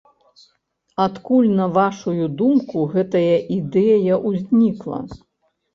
Адкуль на вашую думку гэтая ідэя ўзнікла?